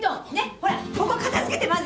ほらここ片づけてまず。